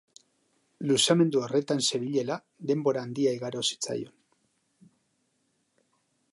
Luzamendu horretan zebilela, denbora handia igaro zitzaion.